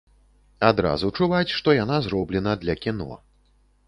Адразу чуваць, што яна зроблена для кіно.